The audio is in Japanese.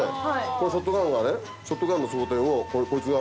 このショットガンがねショットガンの装填をこいつが。